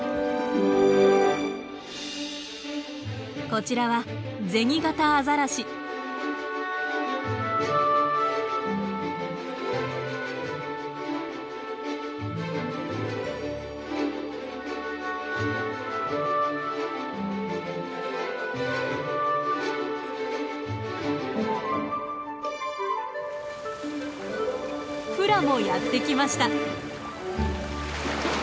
こちらはフラもやって来ました。